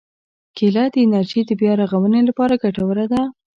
کېله د انرژي د بیا رغونې لپاره ګټوره ده.